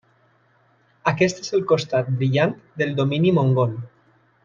Aquest és el costat brillant del domini mongol.